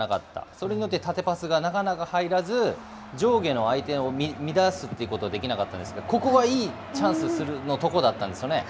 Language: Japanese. それによって縦パスがなかなか入らず、上下の、相手を乱すということができなかったんですが、ここはいいチャンスのところだったんですよね。